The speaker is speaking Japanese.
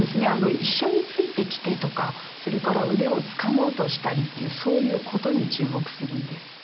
「いっしょについてきて」とかそれからうでをつかもうとしたりっていうそういう「こと」にちゅうもくするんです。